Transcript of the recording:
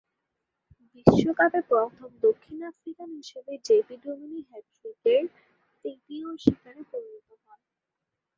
বিশ্বকাপে প্রথম দক্ষিণ আফ্রিকান হিসেবে জেপি ডুমিনি’র হ্যাট্রিকের তৃতীয় শিকারে পরিণত হন।